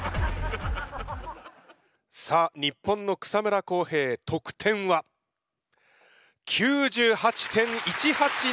さあ日本の草村航平得点は？９８．１８７点！